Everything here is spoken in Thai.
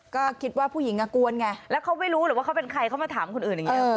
ก็คิดว่าผู้หญิงกวนไงแล้วเขาไม่รู้หรือว่าเขาเป็นใครเขามาถามคนอื่นอย่างนี้